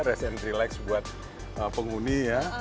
res and relax buat penghuni ya